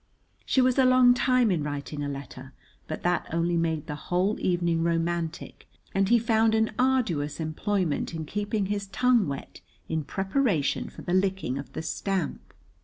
She was a long time in writing a letter, but that only made the whole evening romantic, and he found an arduous employment in keeping his tongue wet in preparation for the licking of the stamp.